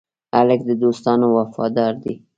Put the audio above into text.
هلک د دوستانو وفادار دی.